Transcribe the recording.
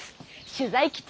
取材基地